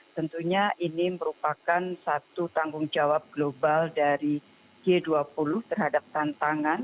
tentunya ini merupakan satu tanggung jawab global dari g dua puluh terhadap tantangan